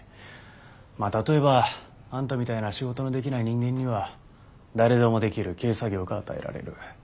まあ例えばあんたみたいな仕事のできない人間には誰でもできる軽作業が与えられる。